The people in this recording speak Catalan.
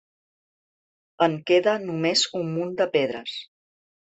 En queda només un munt de pedres.